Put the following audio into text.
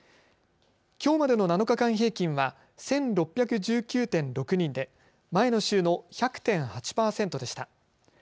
きょうまでの７日間平均は１６１９．６人で前の週の１００．８％でした。